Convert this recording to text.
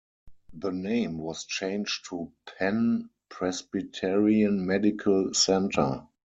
The name was changed to Penn Presbyterian Medical Center.